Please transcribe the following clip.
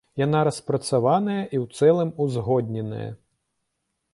Яна распрацаваная і ў цэлым узгодненая.